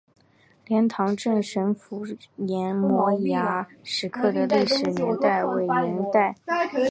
莲塘镇神符岩摩崖石刻的历史年代为元代。